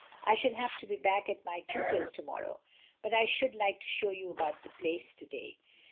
"I shall have to be back at my tutor's to morrow, but I should like to show you about the Place to day.